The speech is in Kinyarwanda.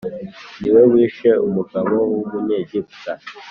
Ni we wishe umugabo w umunyegiputa